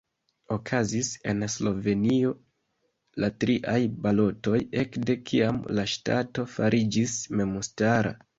Okazis en Slovenio la triaj balotoj, ekde kiam la ŝtato fariĝis memstara.